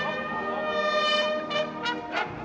อัศวินธรรมชาติ